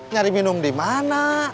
cari minum di mana